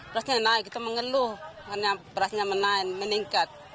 berasnya naik kita mengeluh karena berasnya meningkat